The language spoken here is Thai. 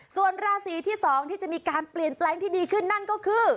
ส่วนราศีที่๒ที่จะมีการเปลี่ยนแปลงที่ดีขึ้นนั่นก็คือ